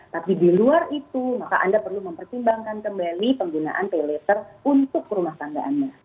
tapi di luar itu maka anda perlu mempertimbangkan kembali penggunaan paylater untuk perumah tangga anda